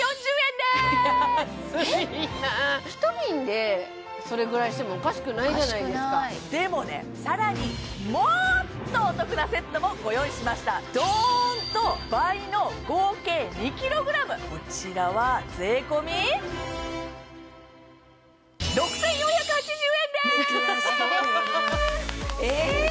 １瓶でそれぐらいしてもおかしくないじゃないですかでもね更にもっとお得なセットもご用意しましたどーんと倍のこちらはアハハハハッええっ！？